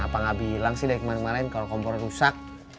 kenapa enggak bilang sih dari kemarin kemarin kalau kompornya rusak